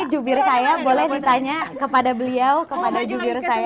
jubir saya boleh ditanya kepada beliau kepada jubir saya